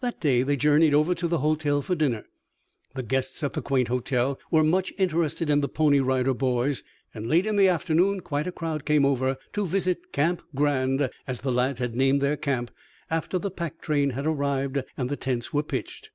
That day they journeyed over to the hotel for dinner. The guests at the quaint hotel were much interested in the Pony Rider Boys, and late in the afternoon quite a crowd came over to visit Camp Grand, as the lads had named their camp after the pack train had arrived and the tents were pitched.